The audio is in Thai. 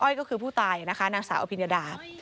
ก็คือผู้ตายนะคะนางสาวอภิญญดา